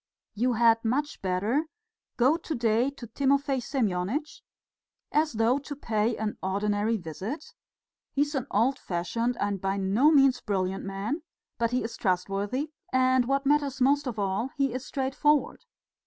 You had much better go to day to Timofey Semyonitch, as though to pay an ordinary visit; he is an old fashioned and by no means brilliant man, but he is trustworthy, and what matters most of all, he is straightforward.